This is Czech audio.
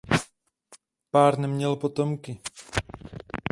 Pár neměl potomky.